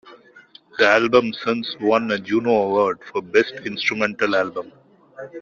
The album since won a Juno Award for best instrumental album.